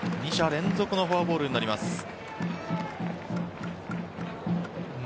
２者連続のフォアボールになります。